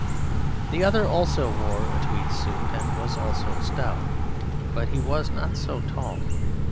The other also wore a tweed suit and was also stout, but he was not so tall.